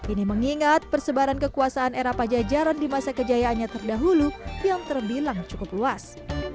ini mengingat persebaran kekuasaan era pajajaran di masa kejayaannya terdahulu yang terbilang cukup luas